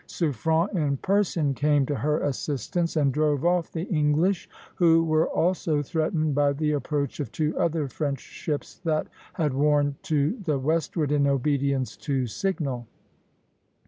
Suffren in person came to her assistance (Position III., a) and drove off the English, who were also threatened by the approach of two other French ships that had worn to the westward in obedience to signal.